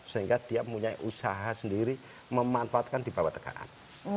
sehingga dia punya usaha sendiri memanfaatkan di bawah tekaan